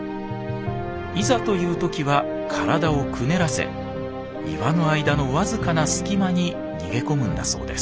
いざという時は体をくねらせ岩の間の僅かな隙間に逃げ込むんだそうです。